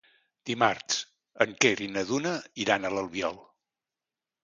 Dimarts en Quer i na Duna iran a l'Albiol.